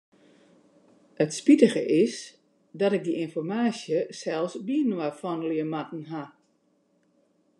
It spitige is dat ik dy ynformaasje sels byinoar fandelje moatten haw.